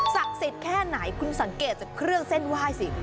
สิทธิ์แค่ไหนคุณสังเกตจากเครื่องเส้นไหว้สิ